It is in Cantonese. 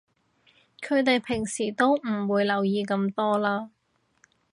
佢哋平時都唔會留意咁多啦